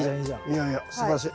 いやいやすばらしい。